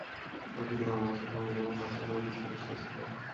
চৌধুরী বাংলাদেশের সংবিধানের খসড়া কমিটির সদস্য ছিলেন।